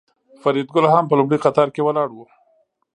فریدګل هم په لومړي قطار کې ولاړ و